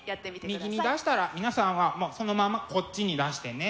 右に出したら皆さんはもうそのまんまこっちに出してね。